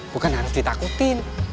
bukan harus ditakutin